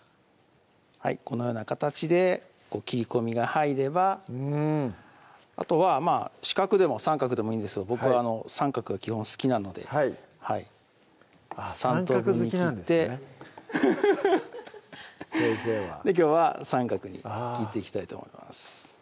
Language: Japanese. このような形で切り込みが入ればあとは四角でも三角でもいいんですけど僕は三角が基本好きなのではい三角好きなんですね先生はきょうは三角に切っていきたいと思います